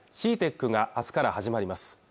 ＣＥＡＴＥＣがあすから始まります